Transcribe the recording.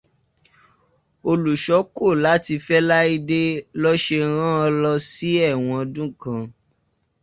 Olùṣọ́ kò láti fẹ́ Láídé ló ṣe rán an lọ sí ẹ̀wọ̀n ọdún kan.